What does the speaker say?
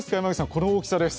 この大きさです！